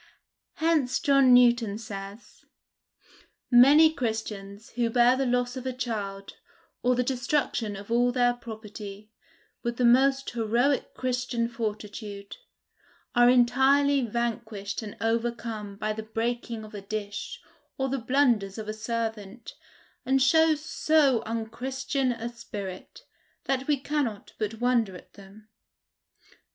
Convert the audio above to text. Hence John Newton says, "Many Christians, who bear the loss of a child, or the destruction of all their property, with the most heroic Christian fortitude, are entirely vanquished and overcome by the breaking of a dish, or the blunders of a servant, and show so unchristian a spirit, that we cannot but wonder at them."